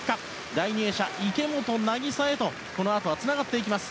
第２泳者、池本凪沙へこのあとつながっていきます。